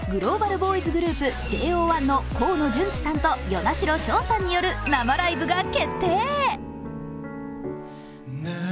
ボーイズグループＪＯ１の河野純喜さんと與那城奨さんによる生ライブが決定。